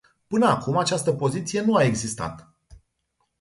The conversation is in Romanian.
Până acum această poziție nu a existat.